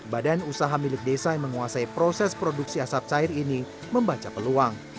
badan usaha milik desa yang menguasai proses produksi asap cair ini membaca peluang